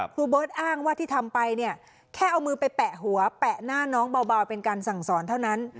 ครูเบิร์ตอ้างว่าที่ทำไปเนี่ยแค่เอามือไปแปะหัวแปะหน้าน้องเบาเป็นการสั่งสอนเท่านั้น